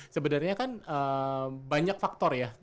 sebenarnya kan banyak faktor ya